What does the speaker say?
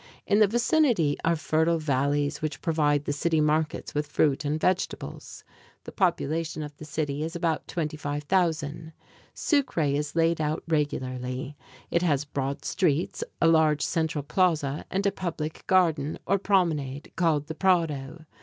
In the vicinity are fertile valleys which provide the city markets with fruits and vegetables. The population of the city is about 25,000. Sucre is laid out regularly. It has broad streets, a large central plaza and a public garden, or promenade, called the Prado.